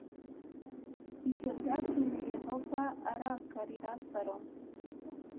Ibyo byatumye Yehova arakarira Salomo